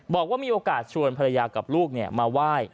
บอกว่ามีโอกาสชวนภรรยากับลูกมาไหว้